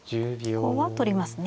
ここは取りますね。